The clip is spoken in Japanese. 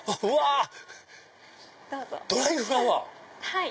はい。